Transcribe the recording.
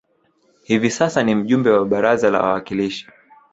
Hivi sasa ni mjumbe wa baraza la wawakilishi